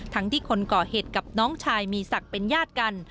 ที่คนก่อเหตุกับน้องชายมีศักดิ์เป็นญาติกัน